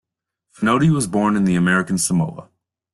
Fonoti was born in American Samoa.